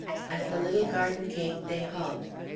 At the little garden gate they halt.